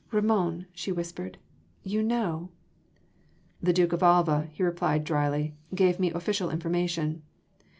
"Ramon," she whispered, "you know?" "The Duke of Alva," he replied dryly, "gave me official information."